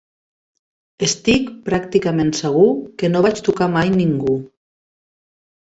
Estic pràcticament segur que no vaig tocar mai ningú.